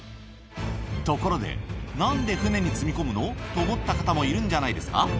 ところで、なんで船に積み込むの？と思った方もいるんじゃないですか。